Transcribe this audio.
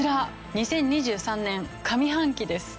２０２３年上半期です。